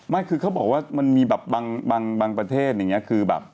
ไม่คือเขาบอกว่ามันมีแบบบางประเทศอย่างนี้คือแบบ